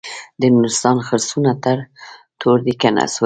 د نورستان خرسونه تور دي که نسواري؟